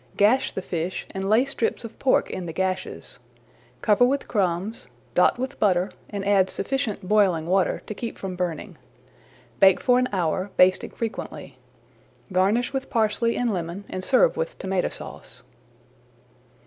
Gash the fish and lay strips of pork in the gashes. Cover with crumbs, dot with butter and add sufficient boiling water to keep from burning. Bake for an hour, basting frequently. Garnish with parsley and lemon and serve with tomato sauce.